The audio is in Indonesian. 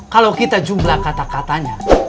kalau kita jumlah kata katanya